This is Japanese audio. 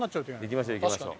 行きましょう行きましょう。